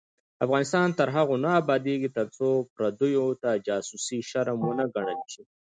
افغانستان تر هغو نه ابادیږي، ترڅو پردیو ته جاسوسي شرم ونه ګڼل شي.